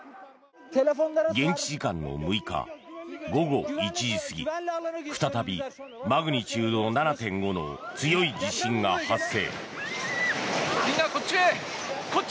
現地時間の６日午後１時過ぎ再びマグニチュード７．５の強い地震が発生。